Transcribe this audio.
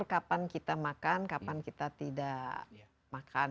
kapan kita makan kapan kita tidak makan